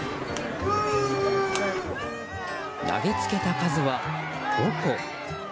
投げつけた数は５個。